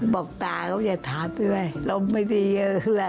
บอกตาก็ว่าอย่าถามดีไม่ล้มไม่ดีเยอะ